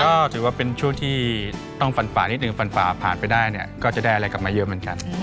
ก็ถือว่าเป็นช่วงที่ต้องฟันฝ่านิดนึงฟันฝ่าผ่านไปได้เนี่ยก็จะได้อะไรกลับมาเยอะเหมือนกัน